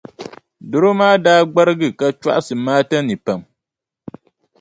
Dɔro maa daa gbarigi ka chɔɣisi Maata nii pam.